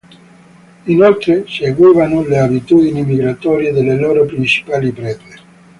Inoltre, seguivano le abitudini migratorie delle loro principali prede.